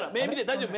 大丈夫？